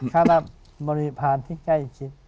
ถ้ารับบริพาณที่ใกล้ชิด